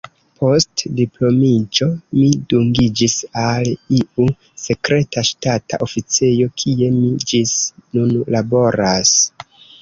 Post diplomiĝo mi dungiĝis al iu sekreta ŝtata oficejo, kie mi ĝis nun laboras.